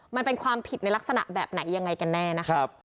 มันเป็นความผิดในลักษณะแบบไหนยังไงกันแน่นะครับ